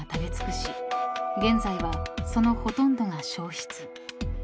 現在はそのほとんどが消失］